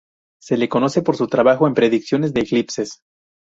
Se le conoce por su trabajo en predicciones de eclipses.